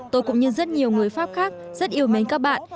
tôi cũng như rất nhiều người pháp khác rất yêu mến các bạn